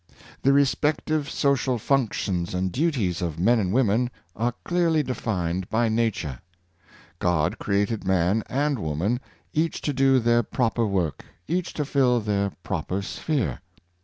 The re spective social functions and duties of men and women are clearly defined by nature. God created man arid woman, each to do their proper work, each to fill their proper sphere.